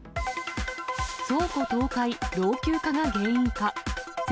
倉庫倒壊、老朽化が原因か。